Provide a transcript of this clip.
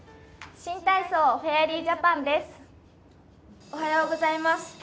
新体操フェアリージャパンです。